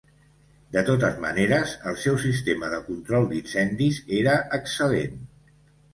De totes maneres, el seu sistema de control d'incendis era excel·lent.